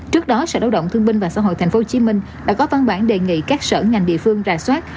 trước đó sở đông động thương binh và xã hội tp hcm đã có văn bản đề nghị các sở ngành địa phương ra soát